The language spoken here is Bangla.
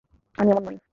আমি এমন নই।